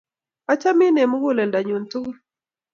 achamin eng' muguleldo nyun tugul